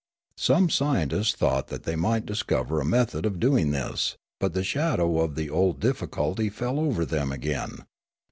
Some scientists thought that they might discover a method of doing this ; but the shadow of the old difficulty fell over them again.